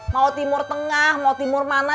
mau timur tengah mau timur mana